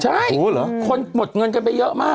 ใช่คนหมดเงินกันไปเยอะมาก